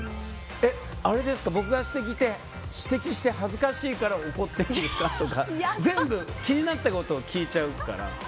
えっ、あれですか僕が指摘して恥ずかしいから怒っているんですかとか全部気になったことを聞いちゃうから。